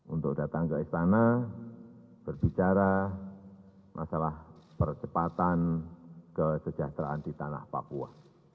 untuk datang ke istana berbicara masalah percepatan kesejahteraan di tanah papua